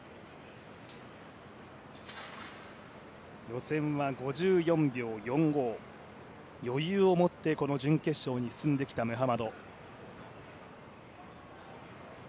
予選は５４秒４５余裕を持って、この準決勝に進んできたムハマド。